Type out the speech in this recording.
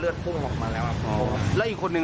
เมื่อกลัวกะลั้นอีกอันนั้น